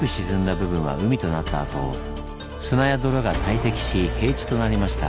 あと砂や泥が堆積し平地となりました。